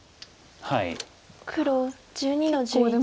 黒１２の十一。